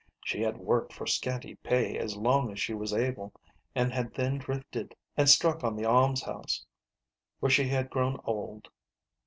She had worked for scanty pay as long as she was able, and had then drifted and struck on the almshouse, where she had grown old.